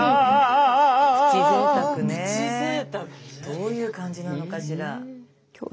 どういう感じなのかしら。